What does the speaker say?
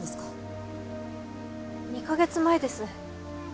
２カ月前です。